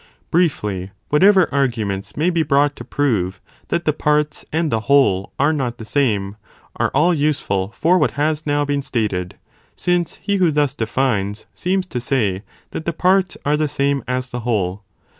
Briefly, whatever arguments may be brought to prove that the parts and the whole are not the same, are all useful for what has now been stated, since he who thus defines, seems to say that the parts are the same as the whole.'